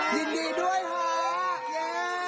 ยินดีด้วยเถอะ